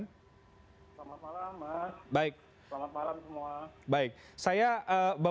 selamat malam mas